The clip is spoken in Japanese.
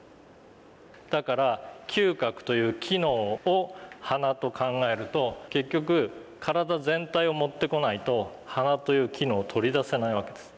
だから嗅覚という機能を鼻と考えると結局体全体を持ってこないと鼻という機能を取り出せないわけです。